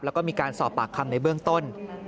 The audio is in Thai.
แล้วก็มีการสอบปากคำในเบื้องต้น